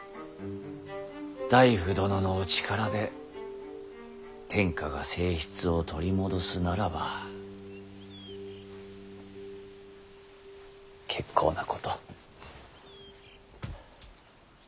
内府殿のお力で天下が静謐を取り戻すならば結構なこと。